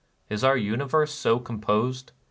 Is our universe so composed ?